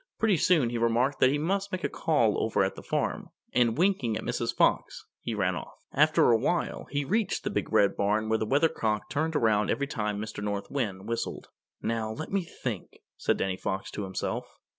Pretty soon he remarked that he must make a call over at the farm, and winking at Mrs. Fox, he ran off. After a while he reached the Big Red Barn where the Weathercock turned around every time Mr. North Wind whistled. "Now, let me think," said Danny Fox to himself.